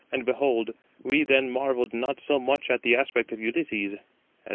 And beholding, we then marvelled not so much at the aspect of Ulysses, [as at his words]."